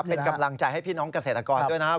เป็นกำลังใจให้พี่น้องเกษตรกรด้วยนะครับ